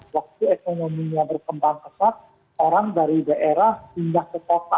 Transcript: waktu ekonominya berkembang pesat orang dari daerah pindah ke kota